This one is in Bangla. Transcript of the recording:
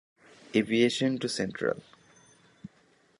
Aviation to central.